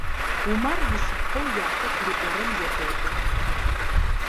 Умар ишъыпкъэу ятэ къыриӏорэм едэӏу.